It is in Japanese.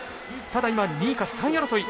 ただ２位か３位争い。